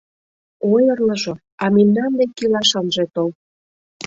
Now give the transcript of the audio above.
Ойырлыжо... а мемнан дек илаш ынже тол!